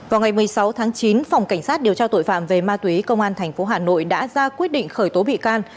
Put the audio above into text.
vào ngày một mươi sáu tháng chín phòng cảnh sát điều tra tội phạm về ma túy công an tp hà nội đã ra quyết định khởi tố bị can